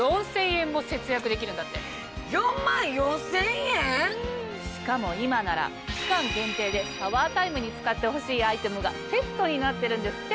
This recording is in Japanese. ４万４０００円⁉しかも今なら期間限定でシャワータイムに使ってほしいアイテムがセットになってるんですって。